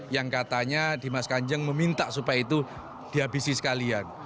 yang katanya dimas kanjeng meminta supaya itu dihabisi sekalian